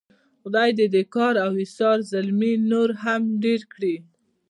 خدای دې د کار او ایثار زلمي نور هم ډېر کړي.